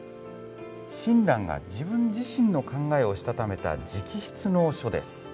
親鸞が自分自身の考えをしたためた直筆の書です。